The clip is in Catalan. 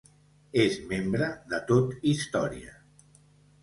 És membre de Tot Història.